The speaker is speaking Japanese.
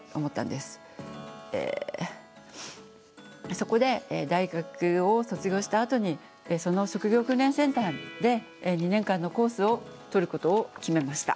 そこで大学を卒業したあとにその職業訓練センターで２年間のコースを取ることを決めました。